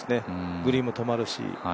グリーンも止まるし。